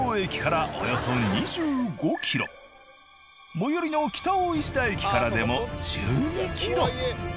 最寄りの北大石田駅からでも１２ｋｍ。